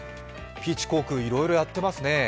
ピーチ航空、いろいろやってますね。